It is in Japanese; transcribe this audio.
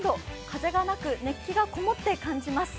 風がなく熱気が籠もって感じます。